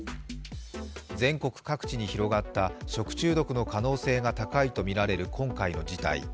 全国各地に広がった食中毒の可能性が高いとみられる今回の事態。